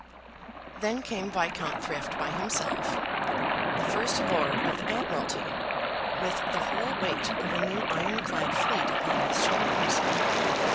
Then came Viscount Thrift by himself; the First Lord of the Admiralty, with the whole weight of a new iron clad fleet upon his shoulders.